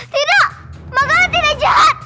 tidak makanya tidak jahat